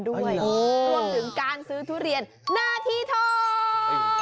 รวมถึงการซื้อทุเรียนหน้าที่ทอง